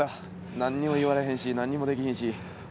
何にも言われへんし、何にもできへんし。